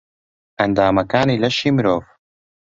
ئەندامەکانی لەشی مرۆڤ